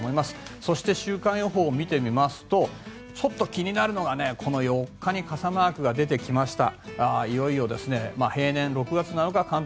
そして週間予報を見てみますと気になるのがこの４日に傘マークが出てきました。